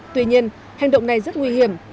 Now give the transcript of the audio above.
tuy nhiên hành động này rất nguy hiểm